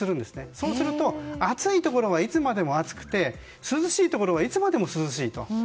そうすると、暑いところはいつまでも暑くて涼しいところはいつまでも涼しい。